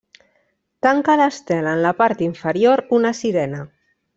Tanca l'estela en la part inferior una sirena.